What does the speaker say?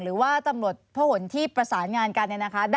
หรือว่าตำรวจพระหลที่ประสานงานกันเนี่ยนะคะ